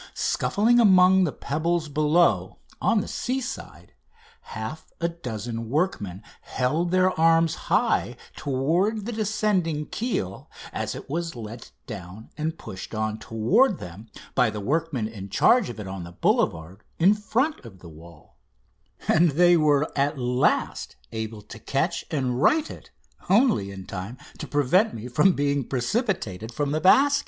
Scuffling among the pebbles below, on the sea side, half a dozen workmen held their arms high toward the descending keel as it was let down and pushed on toward them by the workmen in charge of it on the boulevard in front of the wall, and they were at last able to catch and right it only in time to prevent me from being precipitated from the basket.